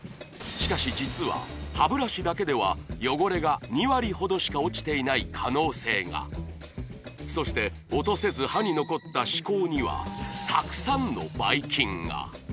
しかし実は歯ブラシだけでは汚れが２割ほどしか落ちていない可能性がそして落とせず歯に残った歯垢にはたくさんのばい菌が！